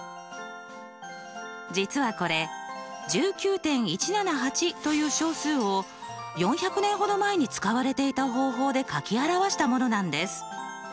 実はこれ１９．１７８という小数を４００年ほど前に使われていた方法で書き表したものなんです。